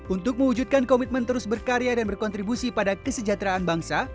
untuk mewujudkan komitmen terus berkarya dan berkontribusi pada kesejahteraan bangsa